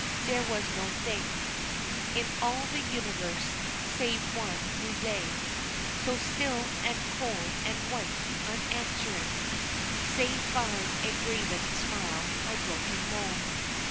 There was no thing In all the universe, save one who lay So still and cold and white, unanswering Save by a graven smile my broken moan.